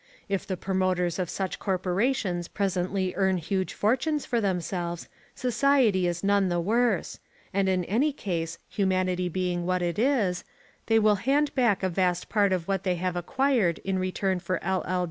If the promoters of such corporations presently earn huge fortunes for themselves society is none the worse: and in any case, humanity being what it is, they will hand back a vast part of what they have acquired in return for LL.